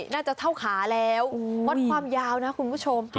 น่าจะเท่าขาแล้ววัดความยาวนะคุณผู้ชม